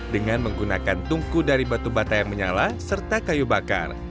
dengan menggunakan tungku dari batu bata yang menyala serta kayu bakar